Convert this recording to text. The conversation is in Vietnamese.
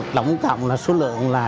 tổng cộng số lượng là